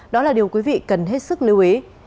đó là điều quý vị cần hết sức lưu ý